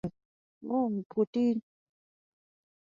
Bera colliery with both an underground mine and an open cast mine.